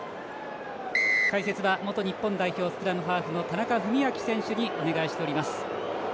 解説は元日本代表スクラムハーフの田中史朗選手にお願いしております。